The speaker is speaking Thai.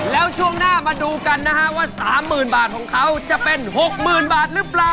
แล้วช่วงหน้ามาดูกันนะฮะว่า๓๐๐๐บาทของเขาจะเป็น๖๐๐๐บาทหรือเปล่า